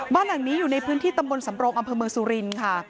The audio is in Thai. บ้านหลังนี้อยู่ในพื้นที่ตำบลสำรงอำเภอเมืองสุรินทร์ค่ะ